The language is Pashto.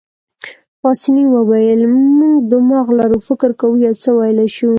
پاسیني وویل: موږ دماغ لرو، فکر کوو، یو څه ویلای شو.